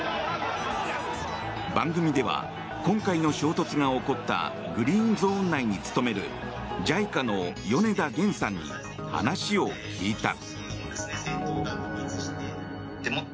番組では、今回の衝突が起こったグリーンゾーン内に勤めるＪＩＣＡの米田元さんに話を聞いた。